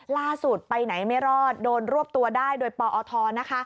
ล่าสุดไปไหนไม่รอดโดนรวบตัวได้โดยปอทนะคะ